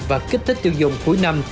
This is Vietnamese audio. và kích thích tiêu dùng cuối năm